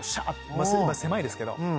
まあ狭いですけど。